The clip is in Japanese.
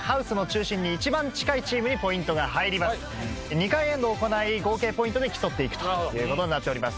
２回エンドを行い合計ポイントで競っていくということになっております。